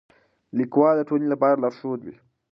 لیکوال د ټولنې لپاره لارښود وي.